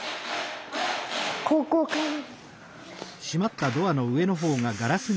ここかな。